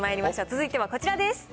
続いてはこちらです。